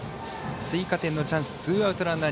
追加点のチャンス。